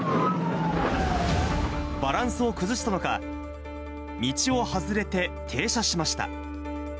バランスを崩したのか、道を外れて停車しました。